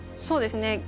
そうですね。